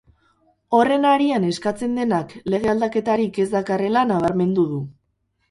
Horren harian eskatzen denak lege aldaketarik ez dakarrela nabarmendu du.